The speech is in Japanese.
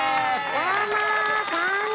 どうも！